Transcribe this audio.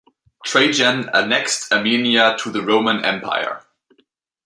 Trajan annexed Armenia to the Roman Empire.